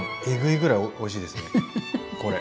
えぐいぐらいおいしいですね！